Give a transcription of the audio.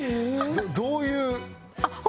どういう？